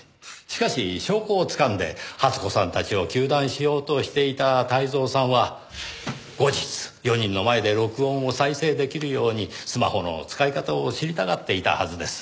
しかし証拠をつかんで初子さんたちを糾弾しようとしていた泰造さんは後日４人の前で録音を再生出来るようにスマホの使い方を知りたがっていたはずです。